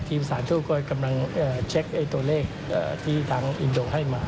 ทีมสารทู่กำลังเช็คไอ้ตัวเลขที่ทางอินโดกก็ให้มา